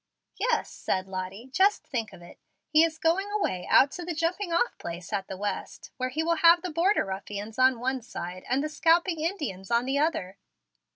"Yes," said Lottie; "just think of it. He is going away out to the jumping off place at the West, where he will have the border ruffians on one side and the scalping Indians on the other.